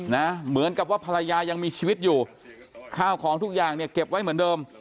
เหมือนกับว่าภรรยายังมีชีวิตอยู่ข้าวของทุกอย่างเนี่ยเก็บไว้เหมือนเดิม